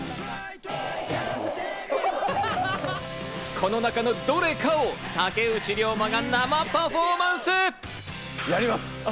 この中のどれかを竹内涼真が生パフォーマンス！